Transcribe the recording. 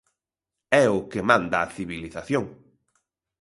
É o que manda a civilización.